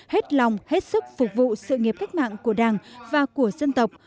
hết lòng hết sức phục vụ sự nghiệp cách mạng của đảng và của dân tộc